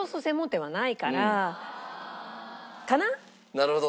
なるほど。